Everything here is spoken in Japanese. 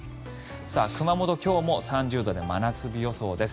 熊本、今日も３０度で真夏日予想です。